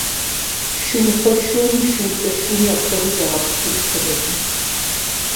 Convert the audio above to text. Шуупэ шуми, шуукӀэ шуми апхуэдэу загъэпщкӀуж хъунукъым.